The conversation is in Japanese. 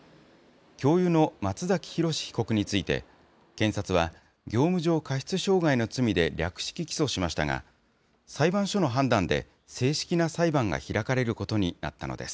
教諭の松崎浩史被告について、検察は、業務上過失傷害の罪で略式起訴しましたが、裁判所の判断で、正式な裁判が開かれることになったのです。